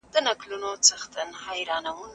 دی به تل دغه غږ اوري.